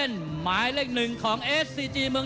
ท่านแรกครับจันทรุ่ม